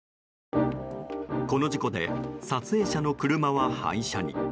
この事故で撮影者の車は廃車に。